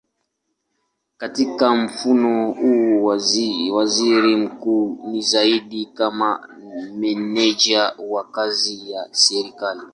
Katika mfumo huu waziri mkuu ni zaidi kama meneja wa kazi ya serikali.